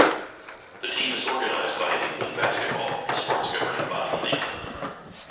The team is organised by England Basketball, the sport's governing body in England.